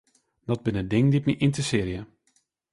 Dat binne dingen dy't my ynteressearje.